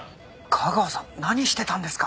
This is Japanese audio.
架川さん何してたんですか！？